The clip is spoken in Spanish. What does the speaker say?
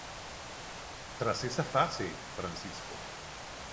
Tras esta fase, Fco.